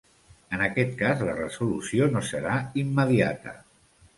En aquest cas, la resolució no serà immediata.